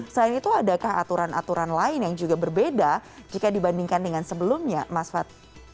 selain itu adakah aturan aturan lain yang juga berbeda jika dibandingkan dengan sebelumnya mas fad